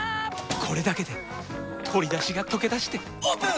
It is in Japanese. これだけで鶏だしがとけだしてオープン！